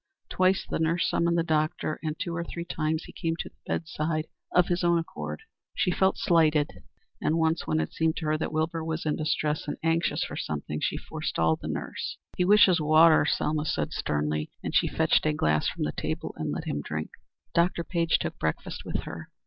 Twice the nurse summoned the doctor, and two or three times he came to the bed side of his own accord. She felt slighted, and once, when it seemed to her that Wilbur was in distress and anxious for something, she forestalled the nurse. "He wishes water," Selma said sternly, and she fetched a glass from the table and let him drink. Dr. Page took breakfast with her.